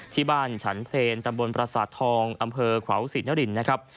ที่บ้านฉันเพลนตำบลประสาททองอำเภอขวาวศรีนรินนะครับ